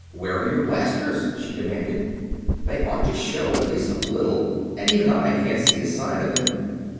"Where are your blasters?" she demanded. "They ought to show, at least a little, and even I can't see a sign of them."